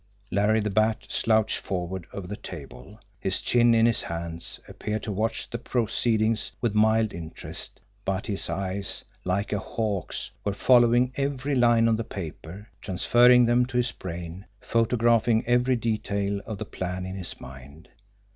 Larry the Bat, slouched forward over the table, his chin in his hands, appeared to watch the proceedings with mild interest but his eyes, like a hawk's, were following every line on the paper, transferring them to his brain, photographing every detail of the plan in his mind.